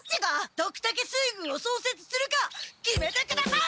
ドクタケ水軍をそうせつするか決めてください！